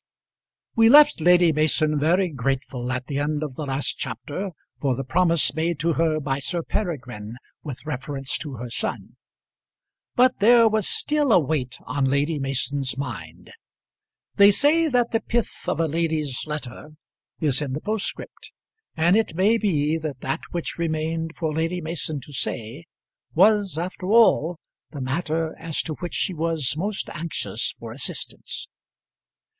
We left Lady Mason very grateful at the end of the last chapter for the promise made to her by Sir Peregrine with reference to her son; but there was still a weight on Lady Mason's mind. They say that the pith of a lady's letter is in the postscript, and it may be that that which remained for Lady Mason to say, was after all the matter as to which she was most anxious for assistance.